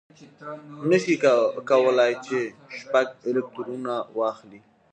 نه شي کولای چې شپږ الکترونه واخلي.